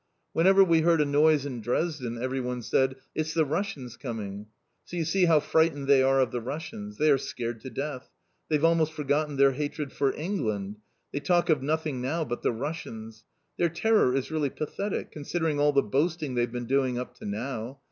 "Whenever we heard a noise in Dresden, everyone said, 'It's the Russians coming!' So you see how frightened they are of the Russians. They are scared to death. They've almost forgotten their hatred for England. They talk of nothing now but the Russians. Their terror is really pathetic, considering all the boasting they've been doing up to now.